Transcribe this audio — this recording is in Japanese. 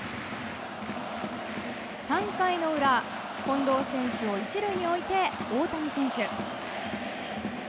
３回の裏、近藤選手を１塁に置いて大谷選手。